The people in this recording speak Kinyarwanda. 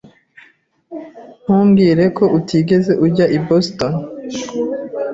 Ntumbwire ko utigeze ujya i Boston.